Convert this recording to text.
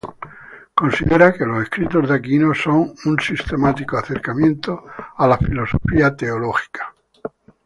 Considera que los escritos de Aquino son un sistemático acercamiento a la filosofía teológica.